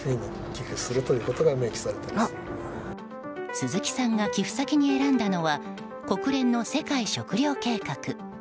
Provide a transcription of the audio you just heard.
鈴木さんが寄付先に選んだのは国連の世界食糧計画。